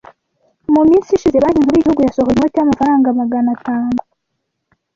Mu minsi ishize banki nkuru y’igihugu yasohoye inoti y’amafaranga magana atanu